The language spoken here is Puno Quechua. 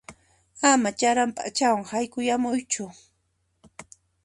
Ama ch'aran p'achawan haykuyamuychu.